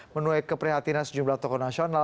menuai keprihatinan sejumlah tokoh nasional